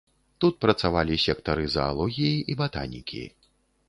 Тут працавалі сектары заалогіі і батанікі.